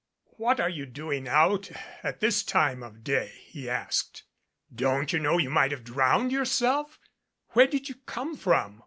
"What are you doing out at this time of day?" he asked. "Don't you know you might have drowned your self? Where did you come from?